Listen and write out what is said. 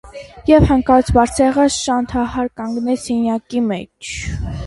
Եվ հանկարծ Բարսեղը շանթահար կանգնեց սենյակի մեջ.